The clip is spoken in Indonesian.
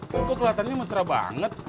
kok keliatannya mesra banget